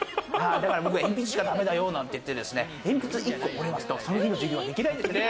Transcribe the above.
僕は鉛筆しかだめだよ、なんて言って、鉛筆１個、折れますと、その日の授業ができないんですね。